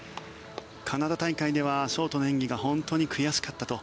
カナダ大会ではショートの演技が本当に悔しかったと。